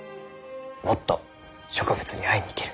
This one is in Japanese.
もっと植物に会いに行ける。